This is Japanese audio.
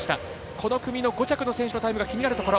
この組の５着の選手が気になるところ。